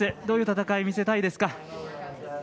どういう戦いを見せたいですか？